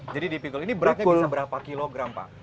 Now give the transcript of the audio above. jadi di pikul ini beratnya bisa berapa kilogram pak